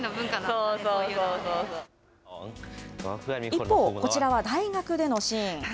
一方、こちらは大学でのシーン。